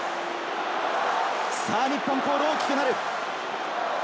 日本コールが大きくなる。